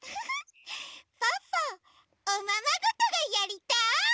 ポッポおままごとがやりたい！